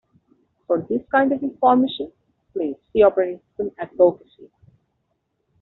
For this kind of information, please see operating system advocacy.